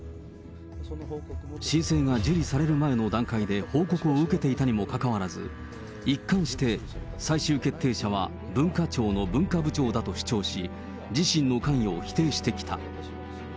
申請が受理される前の段階で報告を受けていたにもかかわらず、一貫して最終決定者は文化庁の文化部長だと主張し、自身の関与を否定してきた。